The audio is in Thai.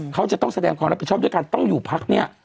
เขาจะต้องแสดงความรับผิดชอบด้วยการต้องอยู่พักนี้